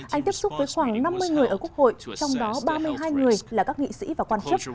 anh tiếp xúc với khoảng năm mươi người ở quốc hội trong đó ba mươi hai người là các nghị sĩ và quan chức